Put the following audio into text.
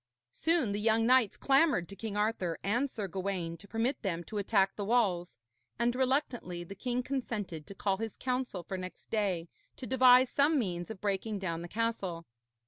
Soon the young knights clamoured to King Arthur and Sir Gawaine to permit them to attack the walls, and reluctantly the king consented to call his council for next day to devise some means of breaking down the castle.